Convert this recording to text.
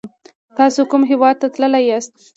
تاسو کوم هیواد ته تللی یاست؟